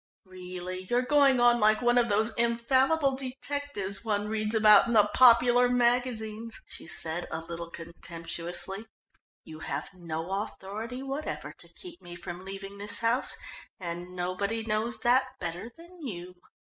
"Really, you're going on like one of those infallible detectives one reads about in the popular magazines," she said a little contemptuously. "You have no authority whatever to keep me from leaving this house and nobody knows that better than you.